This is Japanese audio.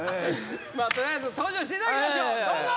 取りあえず登場していただきましょう！